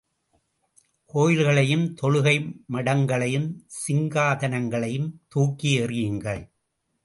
கோயில்களையும், தொழுகை மடங்களையும், சிங்காதனங்களையும் தூக்கி எறியுங்கள்.